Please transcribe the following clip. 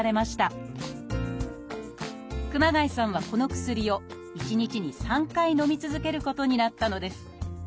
熊谷さんはこの薬を１日に３回のみ続けることになったのです。